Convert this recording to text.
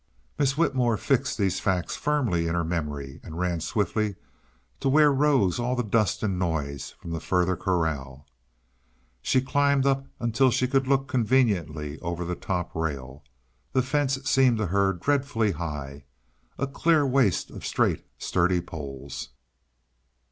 Miss Whitmore fixed these facts firmly in her memory and ran swiftly to where rose all the dust and noise from the further corral. She climbed up until she could look conveniently over the top rail. The fence seemed to her dreadfully high a clear waste of straight, sturdy poles.